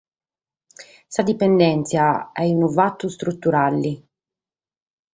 Sa dipendèntzia est unu fatu istruturale.